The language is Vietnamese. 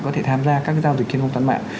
có thể tham gia các giao dịch trên không gian mạng